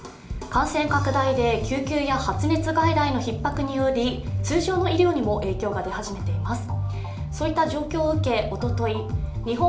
感染拡大で救急や発熱外来のひっ迫により通常の医療にも影響が出始めています。